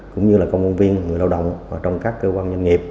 cũng như là công an viên người lao động trong các cơ quan doanh nghiệp